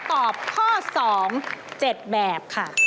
ตอบข้อ๒เจ็ดแบบค่ะ